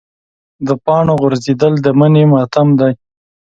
د پاڼو غورځېدل د مني ماتم دی.